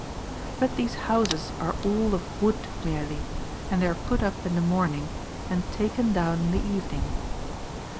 But these houses are all of wood merely, and they are put up in the morning and taken down in the evening.